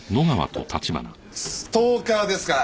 ストーカーですか。